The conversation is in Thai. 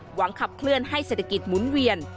หวังขับเคลื่อนให้เศรษฐกิจหมุนเวียน